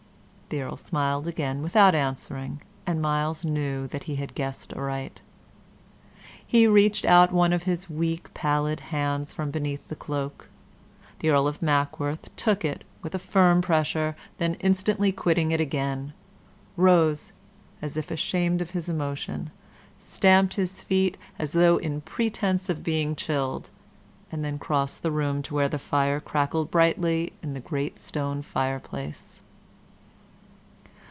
The Earl smiled again without answering, and Myles knew that he had guessed aright. He reached out one of his weak, pallid hands from beneath the cloak. The Earl of Mackworth took it with a firm pressure, then instantly quitting it again, rose, as if ashamed of his emotion, stamped his feet, as though in pretence of being chilled, and then crossed the room to where the fire crackled brightly in the great stone fireplace.